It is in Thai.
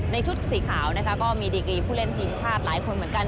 ชุดสีขาวนะคะก็มีดีกรีผู้เล่นทีมชาติหลายคนเหมือนกัน